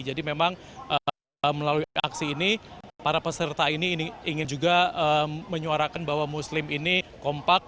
jadi memang melalui aksi ini para peserta ini ingin juga menyuarakan bahwa muslim ini kompak